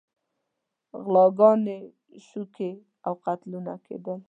غلاګانې، شوکې او قتلونه کېدل.